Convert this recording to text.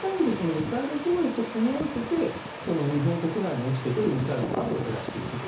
そういった意味でミサイル防衛と組み合わせて日本国内に落ちてくるミサイルの数を減らしていくと。